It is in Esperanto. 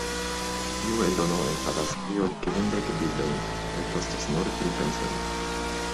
Tiu eldono enhavas pli ol kvindek bildojn kaj kostas nur tri pencojn.